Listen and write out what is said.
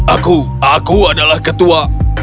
aku aku adalah ketua